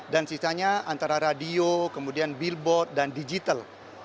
dan sisanya antara radio kemudian billboard dan digital